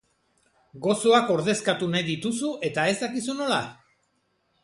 Gozoak ordezkatu nahi dituzu eta ez dakizu nola?